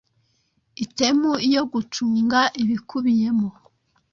iitemu yo gucunga ibikubiyemo